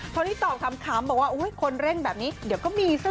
พอที่ตอบคำบอกว่าคนเร่งแบบนี้เดี๋ยวก็มีซะ